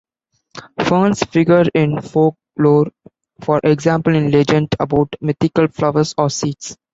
Ferns figure in folklore, for example in legends about mythical flowers or seeds.